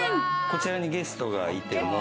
こちらにゲストがいても、